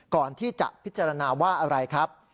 ก่อนที่จะพิจารณาว่าอะไรครับ